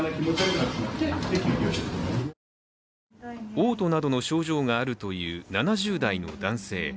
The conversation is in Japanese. おう吐などの症状があるという７０代の男性。